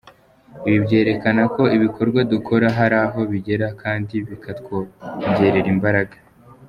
Ibi byerekana ko ibikorwa dukora hari aho bigera kandi bikatwongerera imbaraga”.